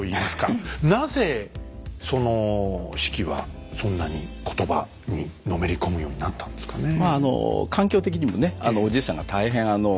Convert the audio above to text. なぜその子規はそんなにことばにのめり込むようになったんですかね？